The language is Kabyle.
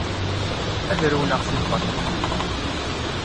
Ad rewleɣ si lbaṭel-inem.